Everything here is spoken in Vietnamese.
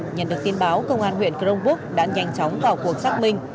nhận được tin báo công an huyện cronbúc đã nhanh chóng vào cuộc xác minh